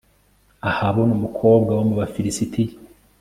ahabona umukobwa wo mu bafilisitiya